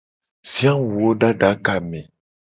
Zi awuwo do adaka me.